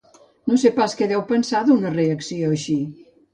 No sé pas què deu pensar d'una reacció així.